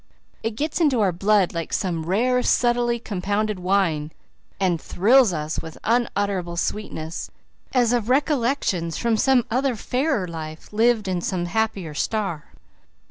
"It gets into our blood like some rare, subtly compounded wine, and thrills us with unutterable sweetnesses, as of recollections from some other fairer life, lived in some happier star.